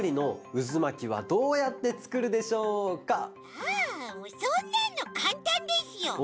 ああもうそんなのかんたんですよ。